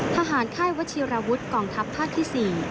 ทหารค่ายวชิรวุฒิกองทัพห้าที่๔